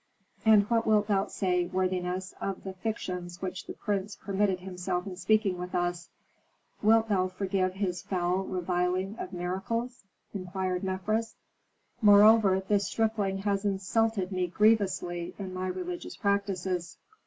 "And what wilt thou say, worthiness, of the fictions which the prince permitted himself in speaking with us? Wilt thou forgive his foul reviling of miracles?" inquired Mefres. "Moreover this stripling has insulted me grievously in my religious practices."